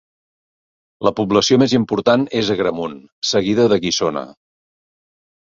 La població més important és Agramunt, seguida de Guissona.